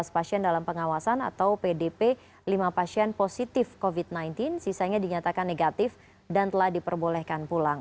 tujuh belas pasien dalam pengawasan atau pdp lima pasien positif covid sembilan belas sisanya dinyatakan negatif dan telah diperbolehkan pulang